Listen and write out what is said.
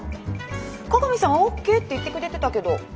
鏡さんは「ＯＫ」って言ってくれてたけど。